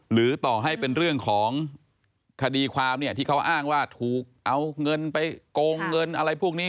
หรือต่อให้เป็นเรื่องของคดีความเนี่ยที่เขาอ้างว่าถูกเอาเงินไปโกงเงินอะไรพวกนี้